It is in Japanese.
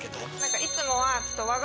いつもは。